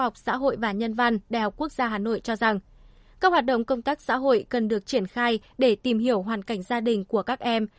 phạt động công tác xã hội cần được triển khai để tìm hiểu hoàn cảnh gia đình của các em